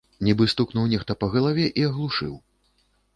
Нібы стукнуў нехта па галаве і аглушыў.